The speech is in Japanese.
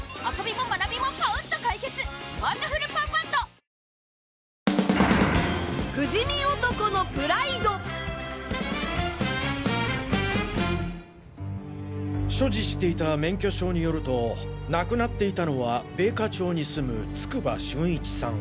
自分らしく秋を楽しもう所持していた免許証によると亡くなっていたのは米花町に住む筑波峻一さん